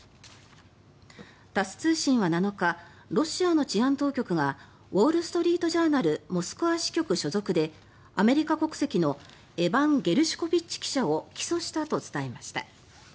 タス通信は７日ロシアの治安当局がウォール・ストリート・ジャーナルモスクワ支局所属でアメリカ国籍のエバン・ゲルシュコビッチ記者を起訴したと伝えました。